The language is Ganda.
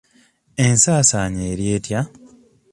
Ensaasaanya eri etya?